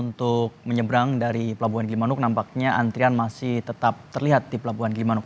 untuk menyeberang dari pelabuhan gili manuk nampaknya antrian masih tetap terlihat di pelabuhan gili manuk